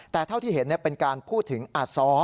แต่เท่าที่เห็นเป็นการพูดถึงอาซ้อ